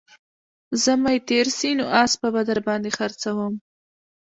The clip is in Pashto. زمى تېر سي نو اسپه به در باندې خرڅوم